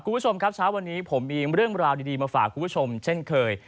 คุณผู้ชมครับเช้าวันนี้ผมมีเรื่องราวดีมาฝากคุณผู้ชมเช่นเคย